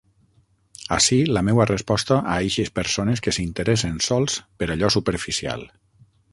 Ací la meua resposta a eixes persones que s'interessen sols per allò superficial.